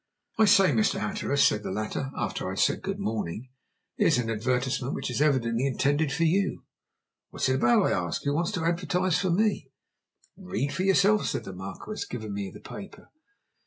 "I say, Mr. Hatteras," said the latter (after I had said "Good morning"), "here's an advertisement which is evidently intended for you!" "What is it about?" I asked. "Who wants to advertise for me?" "Read for yourself," said the Marquis, giving me the paper.